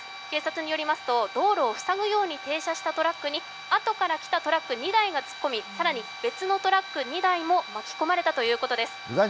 警察によりますと、道路を塞ぐように停車したトラックにあとから来たトラック２台が突っ込み更に別のトラック２台も巻き込まれたということです。